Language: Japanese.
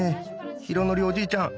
浩徳おじいちゃん